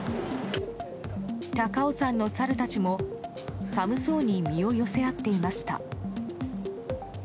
高尾山のサルたちも寒そうに身を寄せ合っていました。